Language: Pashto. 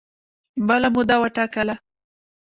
بله موده وټاکله